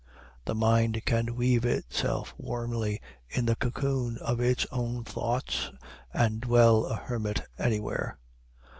The mind can weave itself warmly in the cocoon of its own thoughts and dwell a hermit anywhere.